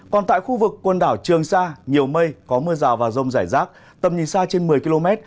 còn tại khu vực quần đảo trường sa nhiều mây có mưa rào và rông rải rác tầm nhìn xa trên một mươi km